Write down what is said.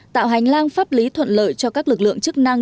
tạo hành lang pháp lý thuận lợi cho các lực lượng chức năng